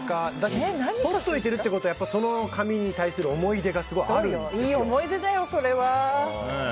とっておいてるってことは思い出がいい思い出だよ、それは。